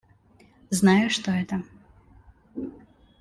Знаю что это.